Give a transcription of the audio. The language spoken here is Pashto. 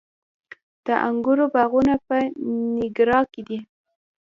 د انګورو باغونه په نیاګرا کې دي.